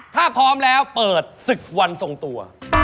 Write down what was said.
ถ้าพร้อมแล้วเปิดศึกวันทรงตัว